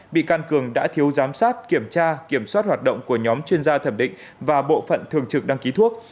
bị can cường đã thiếu giám sát kiểm tra kiểm soát hoạt động của nhóm chuyên gia thẩm định và bộ phận thường trực đăng ký thuốc